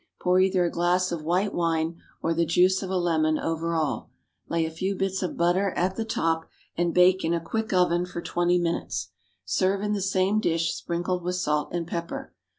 Pour either a glass of white wine or the juice of a lemon over all, lay a few bits of butter at the top, and bake in a quick oven for twenty minutes. Serve in the same dish, sprinkled with salt and pepper.